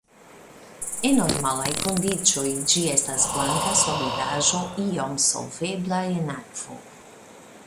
En normalaj kondiĉoj ĝi estas blanka solidaĵo iom solvebla en akvo.